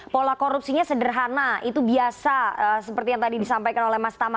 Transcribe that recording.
pola korupsinya sederhana itu biasa seperti yang tadi disampaikan oleh mas tama